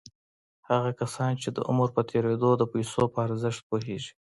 هغه کسان چې د عمر په تېرېدو د پيسو په ارزښت پوهېږي.